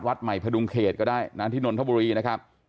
วัดใหม่พดุงเขตก็ได้นะที่นนทบุรีนะครับ